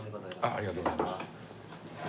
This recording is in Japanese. ありがとうございます。